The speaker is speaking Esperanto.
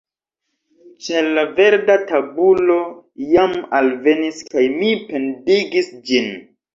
Ĉar la verda tabulo jam alvenis kaj mi pendigis ĝin.